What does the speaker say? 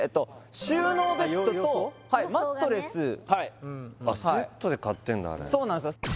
収納ベッドとマットレスはいセットで買ってんだあれそうなんですよ